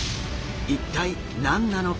一体何なのか？